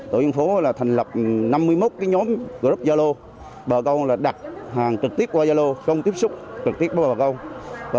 tổ dân phố là thành lập tổ chức lương thực thực phẩm